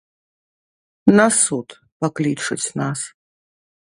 На суд паклічуць нас.